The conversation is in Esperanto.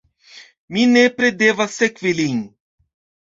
Mi nepre devas sekvi lin.